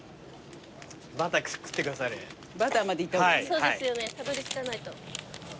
そうですよねたどり着かないと。